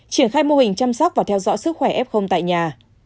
triển khai mô hình chăm sóc và theo dõi sức khỏe f tại nhà